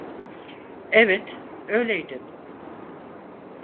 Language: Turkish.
Evet, öyleydin.